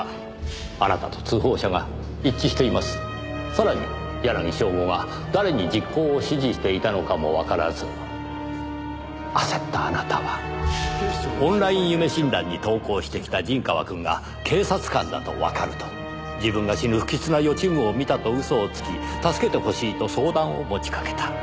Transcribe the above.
さらに柳正吾が誰に実行を指示していたのかもわからず焦ったあなたはオンライン夢診断に投稿してきた陣川くんが警察官だとわかると自分が死ぬ不吉な予知夢を見たと嘘をつき助けてほしいと相談を持ちかけた。